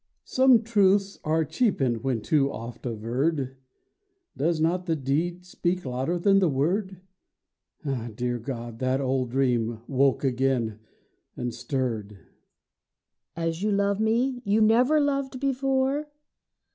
HUSBAND Some truths are cheapened when too oft averred. Does not the deed speak louder than the word? (Dear God, that old dream woke again and stirred.) WIFE As you love me, you never loved before?